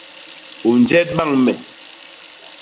U njet bañ me!